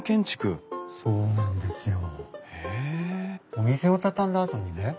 お店を畳んだあとにね